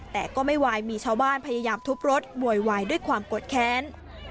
แต่ก็ไม่ไหวมีชาวบ้านพยายามทุบรถโวยวายด้วยความโกรธแค้น